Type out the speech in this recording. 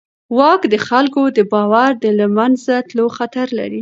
واک د خلکو د باور د له منځه تلو خطر لري.